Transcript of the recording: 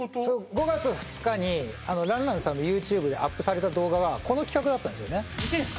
５月２日に爛々さんのＹｏｕＴｕｂｅでアップされた動画がこの企画だったんですよね？